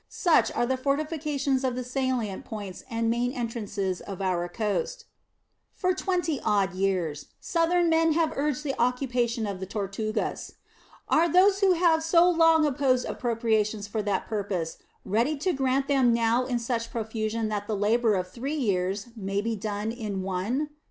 Such are the fortifications of the salient points and main entrances of our coast. For twenty odd years Southern men have urged the occupation of the Tortugas. Are those who have so long opposed appropriations for that purpose ready to grant them now in such profusion that the labor of three years may be done in one?